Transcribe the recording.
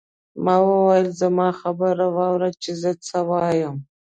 ما وویل زما خبره واورئ چې زه څه وایم.